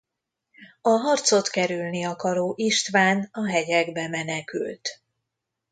A harcot kerülni akaró István a hegyekbe menekült.